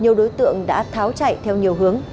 nhiều đối tượng đã tháo chạy theo nhiều hướng